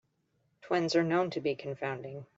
Twins are known to be confounding.